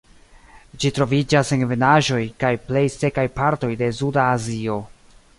Ĝi troviĝas en ebenaĵoj kaj plej sekaj partoj de Suda Azio.